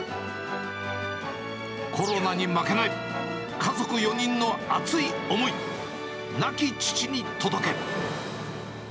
コロナに負けない、家族４人の熱い思い、亡き父に届け。